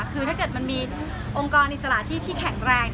คือถ้าเกิดมันมีองค์กรอิสระชีพที่แข็งแรง